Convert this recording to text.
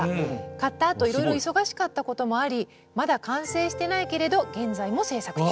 買ったあといろいろ忙しかったこともありまだ完成してないけれど現在も制作中。